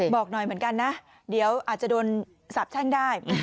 บอกหน่อยเหมือนกันนะเดี๋ยวอาจจะโดนสาบแช่งได้